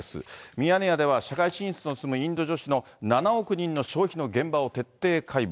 ミヤネ屋では社会進出の進むインド女子の７億人の消費の現場を徹底解剖。